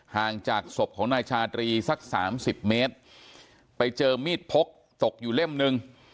ห่างจากศพของนายชาตรีสักสามสิบเมตรไปเจอมีดพกตกอยู่เล่มหนึ่ง